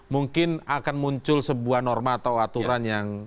mungkin akan muncul sebuah norma atau aturan yang